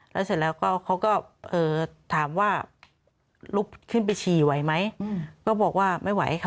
เสร็จแล้วก็เขาก็ถามว่าลุบขึ้นไปฉี่ไหวไหม